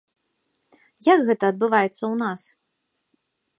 Як гэта адбываецца ў нас?